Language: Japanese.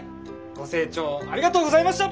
ご清聴ありがとうございました！